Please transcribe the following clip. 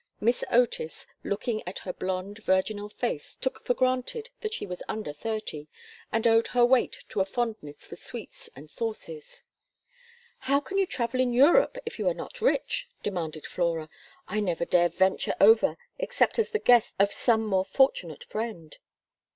Miss Otis, looking at her blond, virginal face, took for granted that she was under thirty, and owed her weight to a fondness for sweets and sauces. "How can you travel in Europe if you are not rich?" demanded Flora. "I never dare venture over except as the guest of some more fortunate friend."